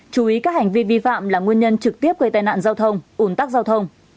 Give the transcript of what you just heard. chú ý các hành vi vi phạm là nguyên nhân trực tiếp gây tai nạn giao thông ủn tắc giao thông